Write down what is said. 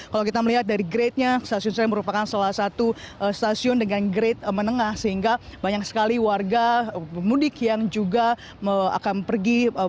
kalau kita melihat dari grade nya stasiun senen merupakan salah satu stasiun dengan grade menengah sehingga banyak sekali warga mudik yang juga akan pergi